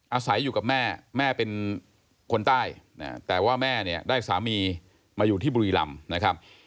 อาศัยอยู่กับแม่แม่เป็นคนใต้แต่ว่าแม่เนี่ยได้สามีมาอยู่ที่บุรีรำนะครับ